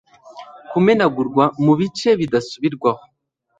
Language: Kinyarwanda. kumenagurwa mubice bidasubirwaho